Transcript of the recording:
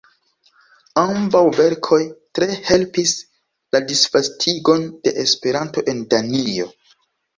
Ambaŭ verkoj tre helpis la disvastigon de Esperanto en Danio.